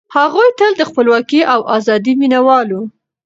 هغوی تل د خپلواکۍ او ازادۍ مينه وال وو.